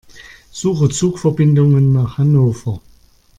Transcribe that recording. Suche Zugverbindungen nach Hannover.